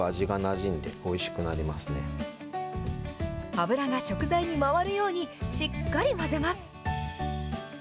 油が食材に回るように、しっかり混ぜます。